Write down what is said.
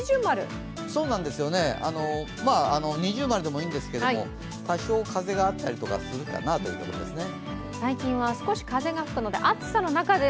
そうなんですよね、◎でもいいんですけど多少、風があったりとかするかなというところですね。